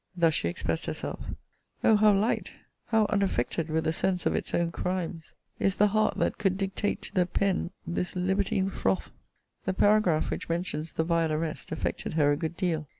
thus she expressed herself: 'O how light, how unaffected with the sense of its own crimes, is the heart that could dictate to the pen this libertine froth?' The paragraph which mentions the vile arrest affected her a good deal.